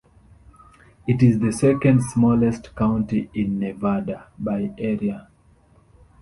It is the second-smallest county in Nevada by area.